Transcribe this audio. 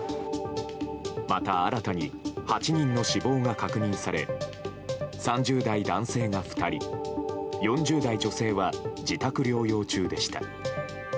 また、新たに８人の死亡が確認され３０代男性が２人４０代女性は自宅療養中でした。